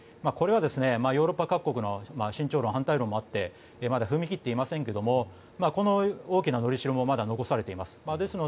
これはヨーロッパ各国の慎重論と反対論もあってまだ踏み切っていませんけどもこの大きなのりしろもまだ残されています。